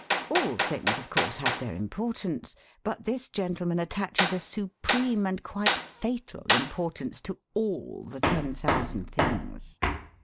All things of. course have their impor tance, but this gentleman attaches a supreme and quite fatal importance to all the ten thousand things.